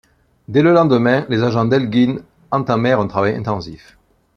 Dès le lendemain, les agents d'Elgin entamèrent un travail intensif.